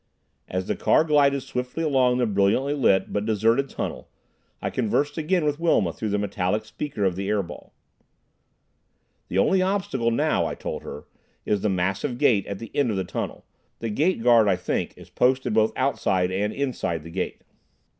As the car glided swiftly along the brilliantly lit but deserted tunnel I conversed again with Wilma through the metallic speaker of the air ball. "The only obstacle now," I told her, "is the massive gate at the end of the tunnel. The gate guard, I think, is posted both outside and inside the gate."